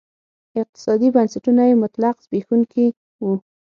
اقتصادي بنسټونه یې مطلق زبېښونکي وو.